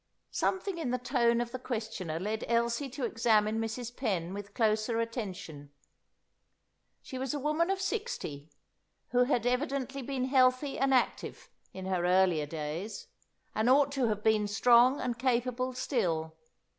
Something in the tone of the questioner led Elsie to examine Mrs. Penn with closer attention. She was a woman of sixty, who had evidently been healthy and active in her earlier days, and ought to have been strong and capable still.